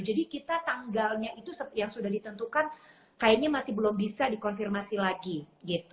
jadi kita tanggalnya itu yang sudah ditentukan kayaknya masih belum bisa dikonfirmasi lagi gitu